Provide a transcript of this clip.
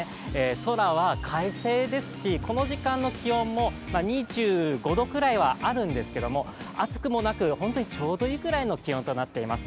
空は快晴ですしこの時間の気温も２５度くらいはあるんですけど暑くもなく、本当にちょうどいいくらいの気温となっております。